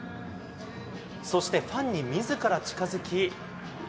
そしてファンにみずから近づき。